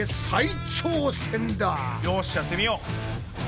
よしやってみよう！